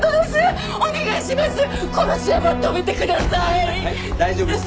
はいはい大丈夫です。